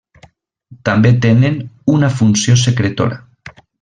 També tenen una funció secretora.